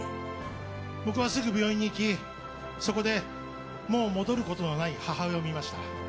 僕はすぐ病院に行きそこで、もう戻ることはない母親を見ました。